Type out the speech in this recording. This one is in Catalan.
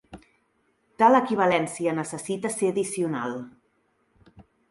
Tal equivalència necessita ser addicional.